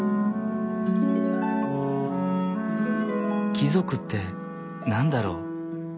貴族って何だろう？